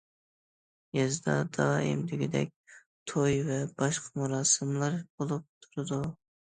يېزىدا دائىم دېگۈدەك توي ۋە باشقا مۇراسىملار بولۇپ تۇرىدۇ.